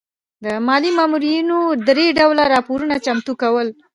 د مالیې مامورینو درې ډوله راپورونه چمتو کول.